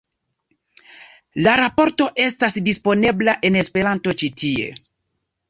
La raporto estas disponebla en Esperanto ĉi tie.